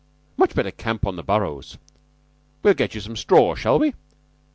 'Much better camp on the Burrows. We'll get you some straw. Shall we?"